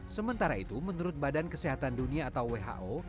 sementara itu menurut badan kesehatan dunia atau who